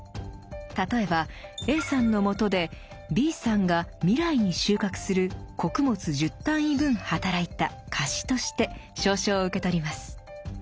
例えばＡさんのもとでＢさんが未来に収穫する「穀物１０単位分」働いた「貸し」として「証書」を受け取ります。